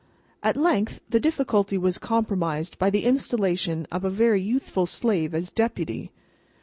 At length, the difficulty was compromised by the installation of a very youthful slave as Deputy.